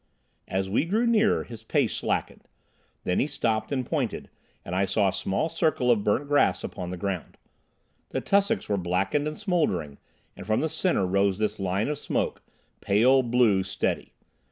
As we drew nearer his pace slackened. Then he stopped and pointed, and I saw a small circle of burnt grass upon the ground. The tussocks were blackened and smouldering, and from the centre rose this line of smoke, pale, blue, steady.